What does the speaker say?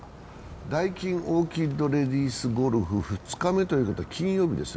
ダイキンオーキッドレディスゴルフ２日目ということは金曜日です。